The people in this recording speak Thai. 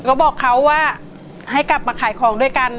ก็บอกเขาว่าให้กลับมาขายของด้วยกัน